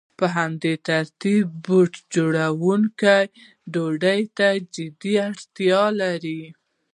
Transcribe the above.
په همدې ترتیب بوټ جوړونکی ډوډۍ ته جدي اړتیا لري